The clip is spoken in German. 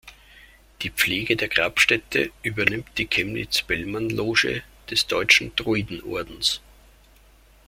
Die Pflege der Grabstätte übernimmt die Chemnitz-Bellmann-Loge des Deutschen Druiden Ordens.